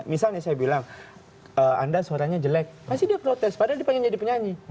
misalnya saya bilang anda suaranya jelek pasti dia protes padahal dia pengen jadi penyanyi